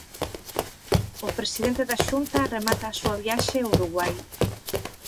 O presidente da Xunta remata a súa viaxe ao Urugaui.